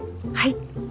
はい。